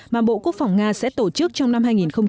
mà bộ quốc phòng nga sẽ tổ chức trong năm hai nghìn một mươi bảy